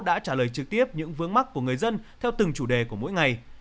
đã trả lời trực tiếp những vướng mắt của người dân theo từng chủ đề của mỗi ngày